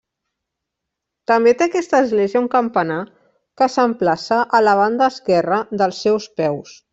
També té aquesta església un campanar, que s'emplaça a la banda esquerra dels seus peus.